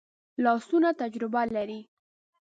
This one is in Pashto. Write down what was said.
لاسونه تجربه لري